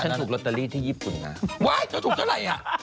ถูกลอตเตอรี่ที่ญี่ปุ่นนะว้ายเธอถูกเท่าไหร่อ่ะ